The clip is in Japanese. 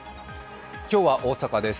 今日は大阪です。